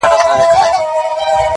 امبارکښ پرکوڅه پېښ سو د عطرونو -